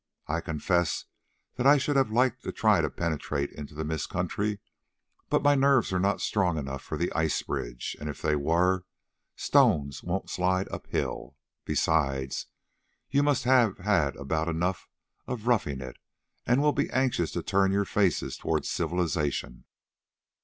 I confess that I should have liked to try to penetrate into the Mist country, but my nerves are not strong enough for the ice bridge, and if they were, stones won't slide uphill. Besides, you must have had about enough of roughing it, and will be anxious to turn your faces towards civilisation.